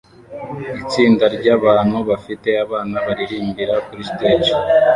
Itsinda ryabantu bafite abana baririmbira kuri stage